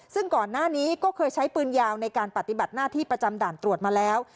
ซึ่งก่อนหน้านี้ก็เคยใช้ปืนยาวในการปฏิบัติหน้าที่ประจำด่านตรวจมาแล้ว